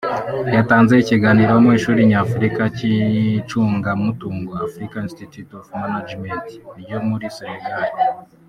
yatanze ikiganiro mu ishuri Nyafurika ry’Icungamutungo (African Institute of Management) ryo muri Senegal